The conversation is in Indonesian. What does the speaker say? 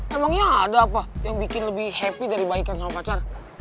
emangnya ada apa yang bikin lebih happy dari baikan sama pacar